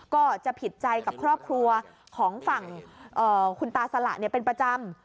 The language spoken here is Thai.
ก็จะผิดใจกับครอบครัวของฝั่งคุณตาสละเป็นประจำ